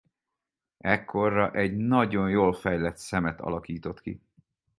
Ekkorra egy nagyon jól fejlett szemet alakított ki.